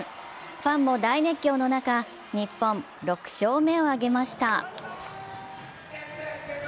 ファンも大熱狂の中、日本、６勝目を挙げました。